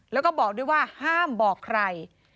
แล้วก็บอกด้วยว่าห้ามบอกใคร